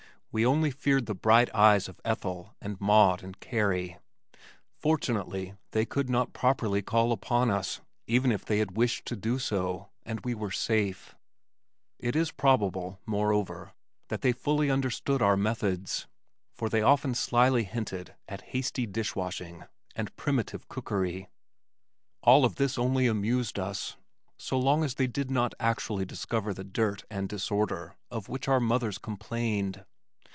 We only feared the bright eyes of Ethel and Maude and Carrie. Fortunately they could not properly call upon us, even if they had wished to do so, and we were safe. It is probable, moreover, that they fully understood our methods, for they often slyly hinted at hasty dish washing and primitive cookery. All of this only amused us, so long as they did not actually discover the dirt and disorder of which our mothers complained.